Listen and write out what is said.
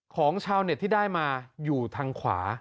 ของชาวเน็ตที่ได้มาอยู่ทางขวา